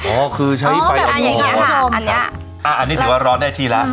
ออคืออันนี้คิดว่าร้อนได้ที่แล้ว